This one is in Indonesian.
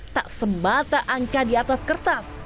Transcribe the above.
tak semata angka di atas kertas